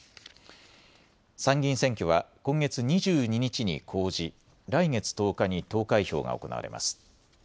参議院選挙は今月２２日に公示、来月１０日に投開票が行われます。